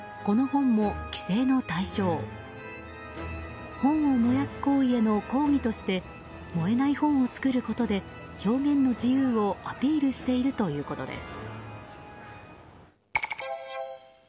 本を燃やす行為への抗議として燃えない本を作ることで表現の自由をアピールしているということです。